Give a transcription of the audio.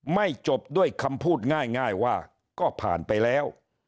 จบด้วยคำพูดง่ายว่าก็ผ่านไปแล้ว